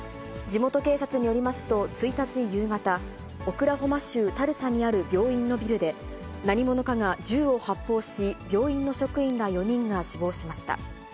地元警察によりますと、１日夕方、オクラホマ州タルサにある病院のビルで、何者かが銃を発砲し、病院の職員ら４人が死亡しました。